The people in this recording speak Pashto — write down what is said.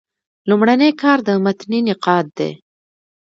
لومړنی کار د متني نقاد دﺉ.